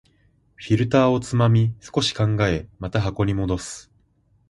フィルターをつまみ、少し考え、また箱に戻す